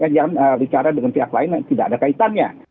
jangan bicara dengan pihak lain yang tidak ada kaitannya